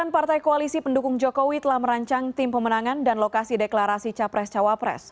delapan partai koalisi pendukung jokowi telah merancang tim pemenangan dan lokasi deklarasi capres cawapres